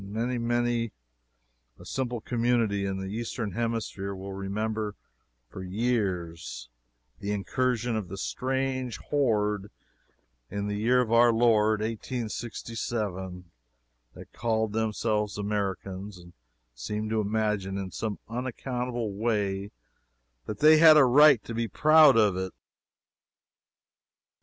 Many and many a simple community in the Eastern hemisphere will remember for years the incursion of the strange horde in the year of our Lord 1867, that called themselves Americans, and seemed to imagine in some unaccountable way that they had a right to be proud of it.